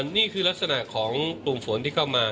นี่คือลักษณะของกลุ่มฝนที่เข้ามา